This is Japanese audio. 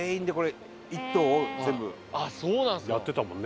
やってたもんね。